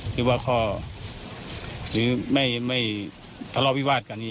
หรือว่าข้อหรือไม่ทะเลาะวิวาสกัน